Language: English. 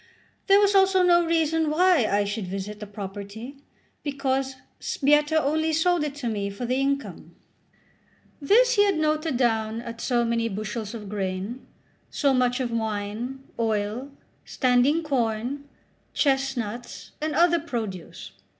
There was also no reason why I should visit the property, because Sbietta only sold it to me for the income. This he had noted down at so many bushels of grain, so much of wine, oil, standing corn, chestnuts, and other produce.